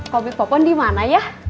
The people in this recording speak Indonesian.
kau bikin popon di mana ya